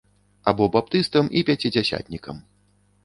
Або баптыстам і пяцідзясятнікам.